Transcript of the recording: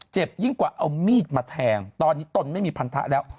ยิ่งกว่าเอามีดมาแทงตอนนี้ตนไม่มีพันธะแล้ว